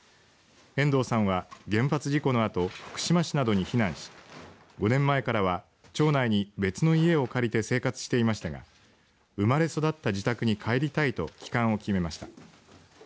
遠藤さんは原発事故のあと福島市などに避難し５年前からは町内に別の家を借りて生活していましたが生まれ育った自宅に帰りたいと帰還を決めました。